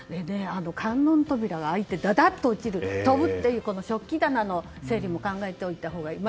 観音扉が開いてだだっと落ちる、飛ぶという食器棚の整理も考えておいたほうがいい。